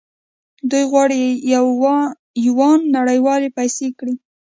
دوی غواړي یوان نړیواله پیسې کړي.